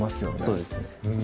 そうですね